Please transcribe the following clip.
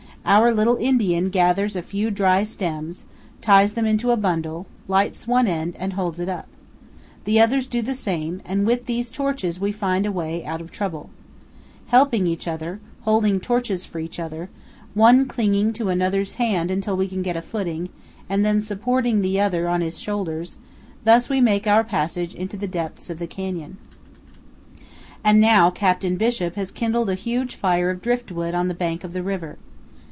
Our little Indian gathers a few dry stems, ties them into a bundle, lights one end, and holds it up. The others do the same, and with these torches we find a way out of trouble. Helping each other, holding torches for each other, one clinging to another's hand until we can get footing, then supporting the other on his shoulders, thus we make our passage into the depths of the canyon. And now Captain Bishop has kindled a huge fire of driftwood on the bank of the river.